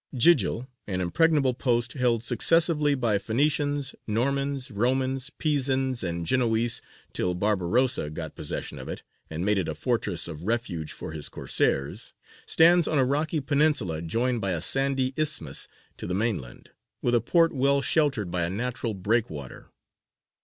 Jījil, an impregnable post, held successively by Phoenicians, Normans, Romans, Pisans, and Genoese, till Barbarossa got possession of it and made it a fortress of refuge for his Corsairs, stands on a rocky peninsula joined by a sandy isthmus to the mainland, with a port well sheltered by a natural breakwater.